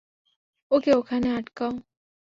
ওকে ওখানে আটকাও।